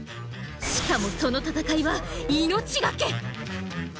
しかもその闘いは「命がけ」！